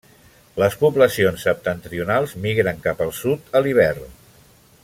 Les poblacions septentrionals migren cap al sud a l'hivern.